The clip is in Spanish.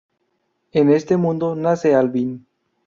En este mundo nace Alvin.